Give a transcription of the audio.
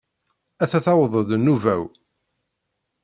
Atta tewweḍ-d nnuba-w.